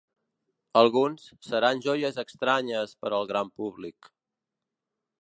Alguns, seran joies estranyes per al gran públic.